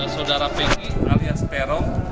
saudara peggy alias perong